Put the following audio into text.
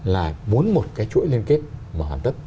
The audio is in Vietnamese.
là bốn một cái chuỗi liên kết mà hoàn tất